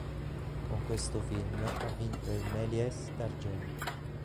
Con questo film ha vinto il Méliès d'argento.